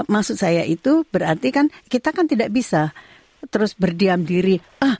maksud saya itu berarti kan kita kan tidak bisa terus berdiam diri